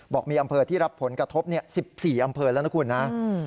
บอกมีอำเภอที่รับผลกระทบ๑๔อำเภอแล้วนะคุณนะ